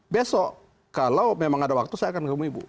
besok kalau memang ada waktu saya akan ketemu ibu